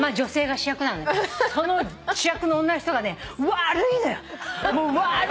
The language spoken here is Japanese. その主役の女の人がね悪いのよ。